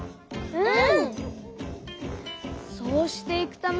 うん！